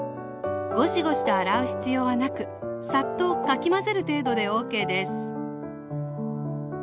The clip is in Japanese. ゴシゴシと洗う必要はなくサッとかき混ぜる程度でＯＫです